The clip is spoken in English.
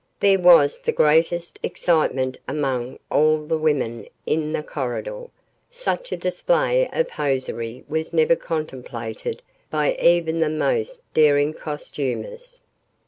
There was the greatest excitement among all the women in the corridor. Such a display of hosiery was never contemplated by even the most daring costumers.